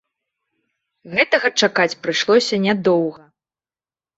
Гэтага чакаць прыйшлося нядоўга.